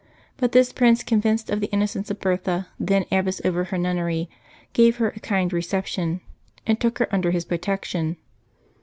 But this prince, convinced of the innocence of Bertha, then abbess over her nunnery, gave her a kind reception and took her under his protection.